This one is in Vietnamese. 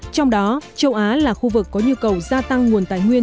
trong đó châu á là khu vực có nhu cầu gia tăng nguồn tài nguyên